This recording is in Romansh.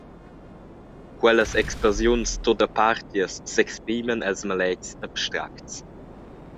Quellas explosiuns tut apartias s’expriman els maletgs abstracts.